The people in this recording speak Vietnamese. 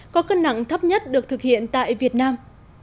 có cân nặng thấp nhất được thực hiện tại việt nam